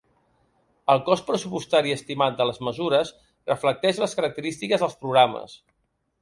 El cost pressupostari estimat de les mesures reflecteix les característiques dels programes.